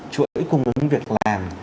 chuỗi cùng những việc làm